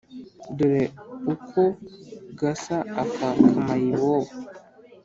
Dore uko gasa aka kamayibobo